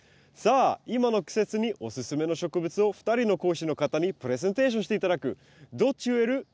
さあ今の季節におすすめの植物を２人の講師の方にプレゼンテーションして頂く「どっち植える？」